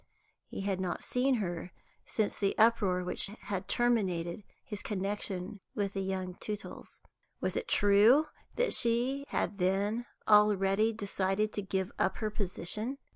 He had not seen her since the uproar which had terminated his connection with the young Tootles. Was it true that she had then already decided to give up her position?